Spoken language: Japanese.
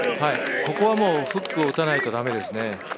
ここはフックを打たないとだめですね。